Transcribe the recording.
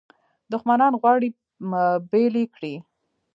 دښمنان غواړي بیل یې کړي.